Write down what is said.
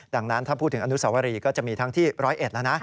ดังนั้นถ้าพูดถึงอนุสาวรีก็จะมีทั้งที่ร้อยเอช